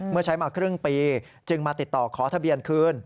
เมื่อใช้มาครึ่งปีจึงมาติดต่อขอทะเบียนคืน